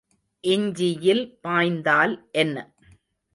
இஞ்சியில் பாய்ந்தால் என்ன?